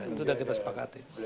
itu sudah kita sepakati